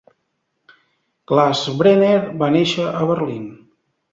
Glassbrenner va néixer a Berlín.